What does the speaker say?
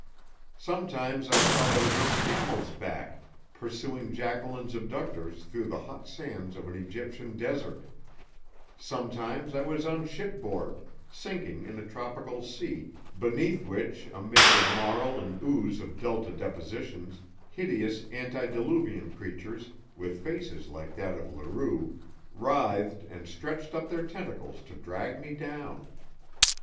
Sometimes I thought I was on a camel's back, pursuing Jacqueline's abductors through the hot sands of an Egyptian desert; sometimes I was on shipboard, sinking in a tropical sea, beneath which amid the marl and ooze of delta depositions, hideous, antediluvian creatures, with faces like that of Leroux, writhed and stretched up their tentacles to drag me down.